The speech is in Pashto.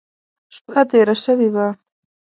شپه تېره شوې وه.